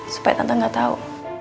supaya tante nggak tahu